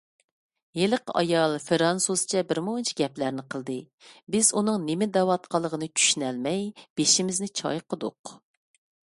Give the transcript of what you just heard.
ھېلىقى ئايال فىرانسۇزچە بىرمۇنچە گەپلەرنى قىلدى. بىز ئۇنىڭ نېمە دەۋاتقانلىقىنى چۈشىنەلمەي بېشىمىزنى چايقىدۇق.